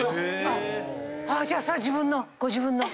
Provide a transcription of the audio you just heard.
じゃあそれ自分のご自分の。